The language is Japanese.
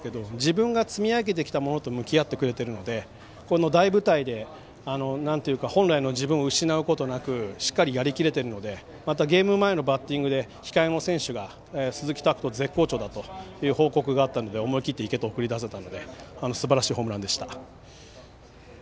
本当にそれぞれが結果が出てる子、出てない子いるんですけど自分が積み上げてきたものと向き合ってくれてるのでこの大舞台で本来の自分を失うことなくしっかりやりきれているのでゲーム前の報告で控えの選手が鈴木拓斗、絶好調だと報告があったので思い切っていけと送り出せたのですばらしいホームランでした。